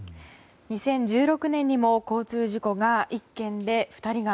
２０１６年にも交通事故が１件で２人が。